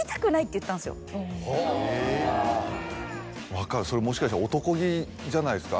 分かるそれもしかしたらおとこ気じゃないですか？